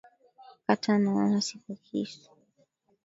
Kata nanasi kwa kisu.